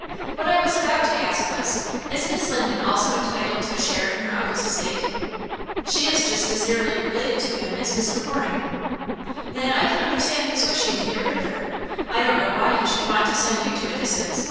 What I was about to ask was: Is Miss Linden also entitled to a share in her uncle's estate?" "She is just as nearly related to him as Mr. Waring." "Then I can understand his wishing to get rid of her. I don't know why he should want to send you to a distance.